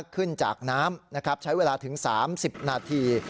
ขึ้นจากน้ำใช้เวลาถึง๓๐นาที